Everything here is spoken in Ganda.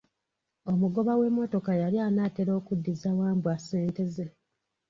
Omugoba w'emmotoka yali anaatera okuddiza Wambwa ssente ze.